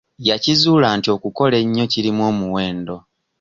Yakizuula nti okukola ennyo kirimu omuwendo.